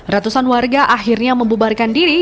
ratusan warga akhirnya membubarkan diri